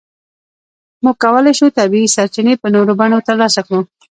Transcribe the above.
موږ کولای شو طبیعي سرچینې په نورو بڼو ترلاسه کړو.